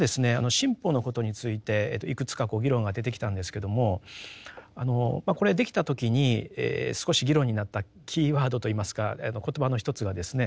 新法のことについていくつか議論が出てきたんですけどもこれできた時に少し議論になったキーワードといいますか言葉の一つがですね